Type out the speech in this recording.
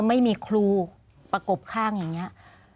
ไม่มีครูประกบข้างอย่างนี้